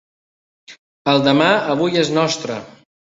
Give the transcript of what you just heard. El demà avui és nostre.